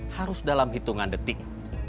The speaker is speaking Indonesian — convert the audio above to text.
harus dalam hitungan detik